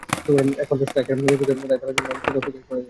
একমাত্র স্ট্রাইকার নিপুকে তাই বলের জন্য শুধু অপেক্ষাই করে যেতে হয়েছে।